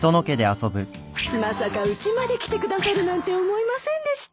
まさかうちまで来てくださるなんて思いませんでした。